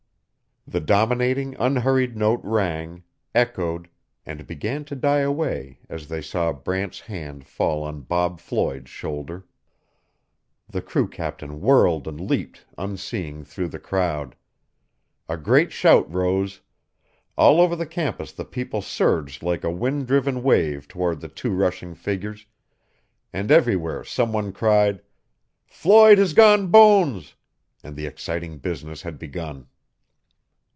The dominating, unhurried note rang, echoed, and began to die away as they saw Brant's hand fall on Bob Floyd's shoulder. The crew captain whirled and leaped, unseeing, through the crowd. A great shout rose; all over the campus the people surged like a wind driven wave toward the two rushing figures, and everywhere some one cried, "Floyd has gone Bones!" and the exciting business had begun.